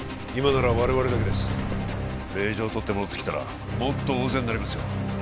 今なら我々だけです令状取って戻ってきたらもっと大勢になりますよ